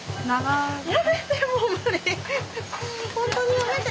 やめて！